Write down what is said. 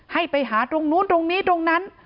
ให้ไปหาตรงนู้นตรงนี้ตรงนั้น